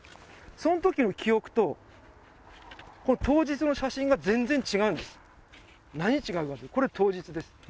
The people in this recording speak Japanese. その時の記憶と当日の写真が全然違うんです何が違うのかこれ当日です